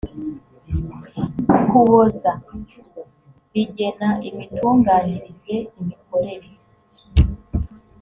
ukuboza rigena imitunganyirize imikorere